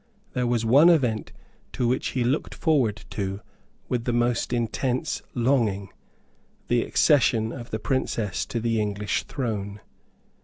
There was one event to which he looked forward with the most intense longing, the accession of the Princess to the English throne.